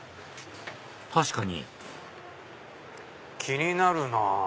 確かに気になるなぁ。